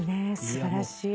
素晴らしい。